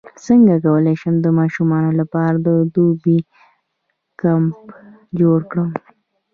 څنګه کولی شم د ماشومانو لپاره د دوبي کمپ جوړ کړم